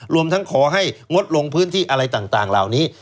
รวมทั้งขอให้งดลงพื้นที่อะไรต่างเหล่านี้